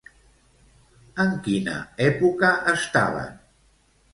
En quina època estaven?